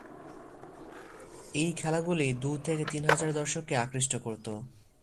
এ খেলাগুলি দুই থেকে তিন হাজার দর্শককে আকৃষ্ট করত।